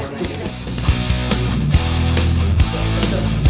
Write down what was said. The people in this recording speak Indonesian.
yang saya pilih adalah